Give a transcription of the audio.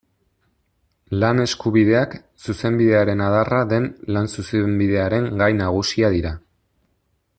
Lan-eskubideak zuzenbidearen adarra den lan-zuzenbidearen gai nagusia dira.